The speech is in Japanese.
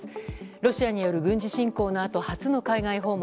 ロシアによる軍事侵攻のあと初の海外訪問。